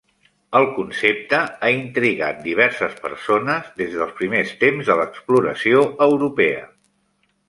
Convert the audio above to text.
El concepte ha intrigat diverses persones des dels primers temps de l'exploració europea.